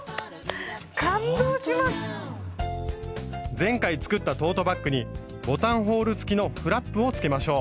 前回作ったトートバッグにボタンホールつきのフラップをつけましょう。